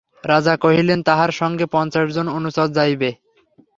রাজা কহিলেন, তাঁহার সঙ্গে পঞ্চাশ জন অনুচর যাইবে।